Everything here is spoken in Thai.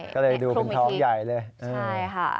ก็เลยดูเป็นท้องใหญ่เลยคลุมอีกทีใช่ค่ะ